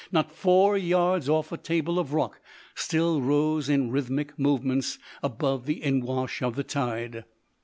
Not four yards off a table of rock still rose in rhythmic movements above the in wash of the tide.